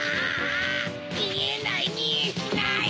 みえないみえない！